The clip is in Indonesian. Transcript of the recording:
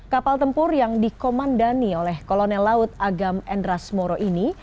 kapal tempur yang dikomandani oleh kolonel laut agam endras moro ini